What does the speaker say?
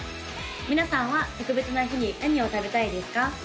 皆さんは特別な日に何を食べたいですか？